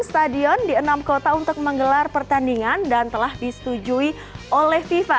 stadion di enam kota untuk menggelar pertandingan dan telah disetujui oleh fifa